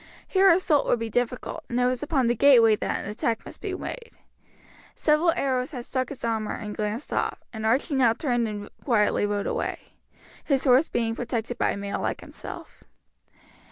Here assault would be difficult, and it was upon the gateway that an attack must be made. Several arrows had struck his armour and glanced off, and Archie now turned and quietly rode away, his horse being protected by mail like himself.